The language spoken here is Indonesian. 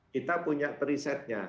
kita punya perisetnya